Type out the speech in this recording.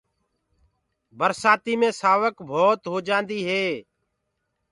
برسآتيٚ بآ سآوڪ ڀوت هوجآندي هي۔